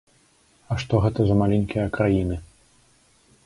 А што гэта за маленькія краіны?